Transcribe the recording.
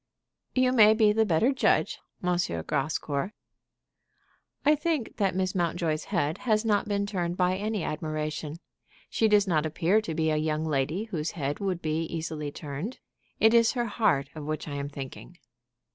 "You may be the better judge, M. Grascour." "I think that Miss Mountjoy's head has not been turned by any admiration. She does not appear to be a young lady whose head would easily be turned. It is her heart of which I am thinking."